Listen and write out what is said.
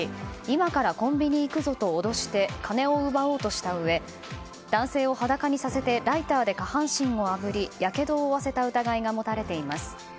今からコンビニ行くぞと脅して金を奪おうとしたうえ男性を裸にさせてライターで下半身をあぶりやけどを負わせた疑いが持たれています。